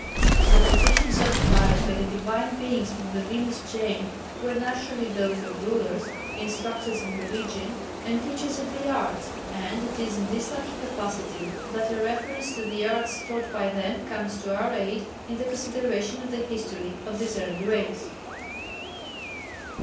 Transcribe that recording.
The positions occupied by the divine beings from the Venus chain were naturally those of rulers, instructors in religion, and teachers of the arts, and it is in this latter capacity that a reference to the arts taught by them comes to our aid in the consideration of the history of this early race.